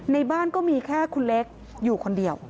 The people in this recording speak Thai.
ในบ้านก็มีแค่คุณเล็กอยู่คนเดียว